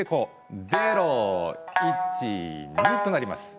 ０、１、２となります。